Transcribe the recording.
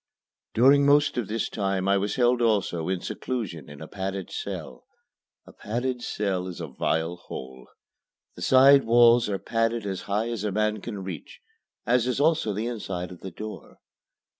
During most of this time I was held also in seclusion in a padded cell. A padded cell is a vile hole. The side walls are padded as high as a man can reach, as is also the inside of the door.